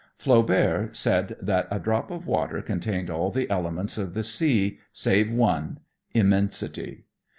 Flaubert said that a drop of water contained all the elements of the sea, save one immensity.